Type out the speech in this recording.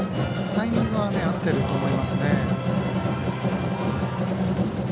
タイミングは合ってると思います。